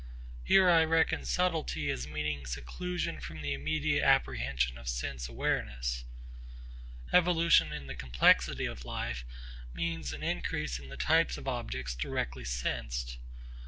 Here I reckon subtlety as meaning seclusion from the immediate apprehension of sense awareness. Evolution in the complexity of life means an increase in the types of objects directly sensed.